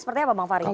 seperti apa bang fary